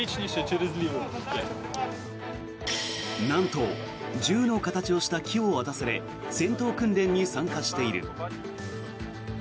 なんと銃の形をした木を渡され戦闘訓練に参加している。